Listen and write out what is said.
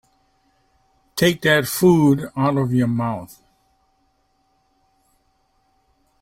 Take that food out of your mouth.